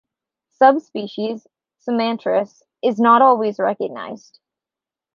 Subspecies "sumatranus" is not always recognized.